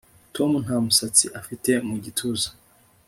Tom nta musatsi afite mu gituza